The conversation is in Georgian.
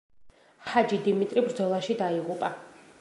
ჰაჯი დიმიტრი ბრძოლაში დაიღუპა.